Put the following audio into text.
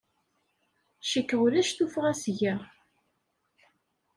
Cikkeɣ ulac tuffɣa seg-a.